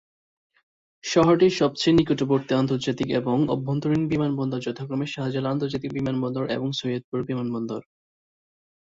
শহরটির সবচেয়ে নিকটবর্তী আন্তর্জাতিক এবং আভ্যন্তরীণ বিমানবন্দর যথাক্রমে শাহজালাল আন্তর্জাতিক বিমানবন্দর এবং সৈয়দপুর বিমানবন্দর।